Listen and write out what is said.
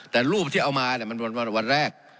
แต่รูปที่เอามามันวันแรก